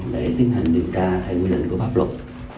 để tiến hành điều tra theo quy định của pháp luật